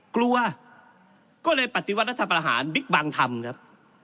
กลัวก็เลยปฏิวัติรัฐประหารบิ๊กบังทำครับ